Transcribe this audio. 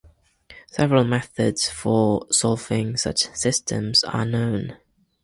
Several methods for solving such systems are known.